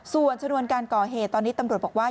ส่วนชนวนการก่อเหตุตอนนี้ตำรวจบอกว่า